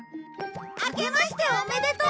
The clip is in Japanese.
あけましておめでとう！